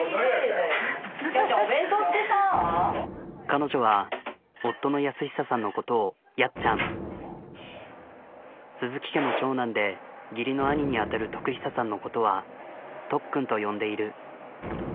彼女は夫の安久さんのことをやっちゃん鈴木家の長男で義理の兄にあたる徳久さんのことはとっくんと呼んでいる。